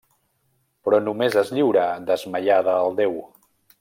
Però només es lliurà desmaiada al déu.